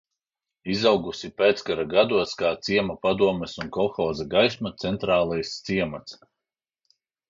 "Izaugusi pēckara gados kā ciema padomes un kolhoza "Gaisma" centrālais ciemats."